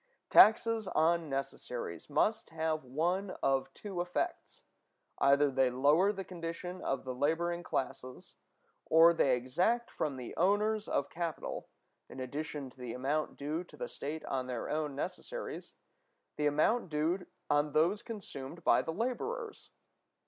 Taxes on necessaries must thus have one of two effects: either they lower the condition of the laboring classes, or they exact from the owners of capital, in addition to the amount due to the state on their own necessaries, the amount due on those consumed by the laborers.